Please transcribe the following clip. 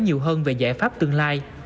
nhiều hơn về giải pháp tương lai